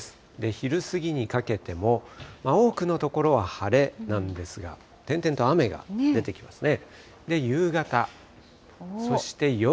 昼過ぎにかけても、多くの所は晴れなんですが、点々と雨が出てきますね。